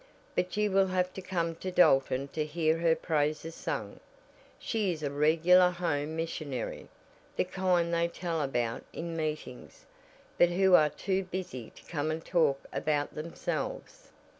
But you will have to come to Dalton to hear her praises sung. She is a regular home missionary the kind they tell about in meetings, but who are too busy to come and talk about themselves."